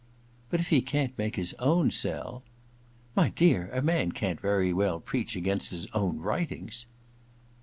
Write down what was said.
* But if he can't make his own sell ' *My dear, a man can't very well preach against his own writings